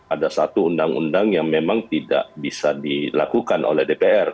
ada satu undang undang yang memang tidak bisa dilakukan oleh dpr